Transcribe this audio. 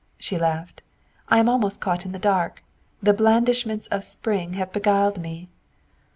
She laughed. "I am almost caught in the dark. The blandishments of spring have beguiled me."